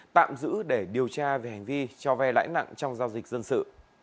tạm giữ để điều tra về hành vi cho vay lãi nặng trong giao dịch dân sự